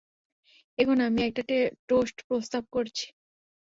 এখন, আমি একটা টোস্ট প্রস্তাব করছি।